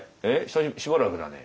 しばらくだね」。